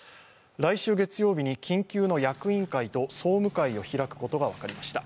来週月曜日に緊急の役員会と総務会を開くことが分かりました。